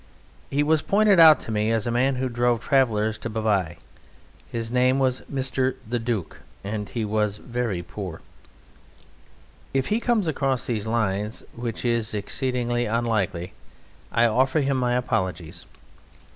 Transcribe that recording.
He was pointed out to me as a man who drove travellers to Bavai. His name was Mr. The Duke, and he was very poor. If he comes across these lines (which is exceedingly unlikely) I offer him my apologies.